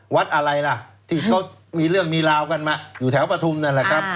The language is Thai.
วัดอะไรล่ะที่เขามีเรื่องมีราวกันมาอยู่แถวประทุมนั่นแหละครับ